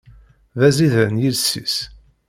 D aẓidan yiles-is.